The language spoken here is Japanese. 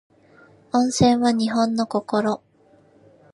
温泉は日本の心